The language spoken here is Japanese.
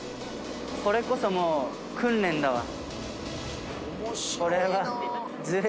これこそもう訓練だわ。